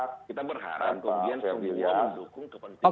kita berharap kemudian sel jujur